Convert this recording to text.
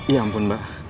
ya ampun mbak